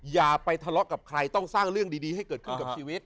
อย่าไปทะเลาะกับใครต้องสร้างเรื่องดีให้เกิดขึ้นกับชีวิต